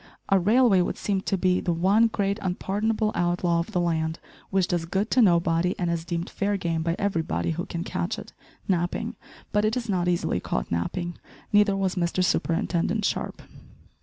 A railway would seem to be the one great unpardonable outlaw of the land, which does good to nobody, and is deemed fair game by everybody who can catch it napping. But it is not easily caught napping. Neither was Mr Superintendent Sharp.